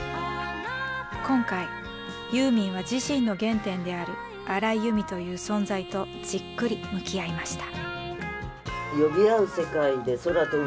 今回ユーミンは自身の原点である荒井由実という存在とじっくり向き合いました。